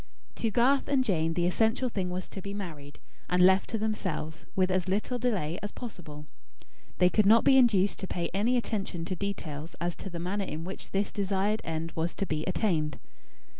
To Garth and Jane the essential thing was to be married, and left to themselves, with as little delay as possible. They could not be induced to pay any attention to details as to the manner in which this desired end was to be attained.